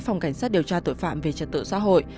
phòng cảnh sát điều tra tội phạm về trật tự xã hội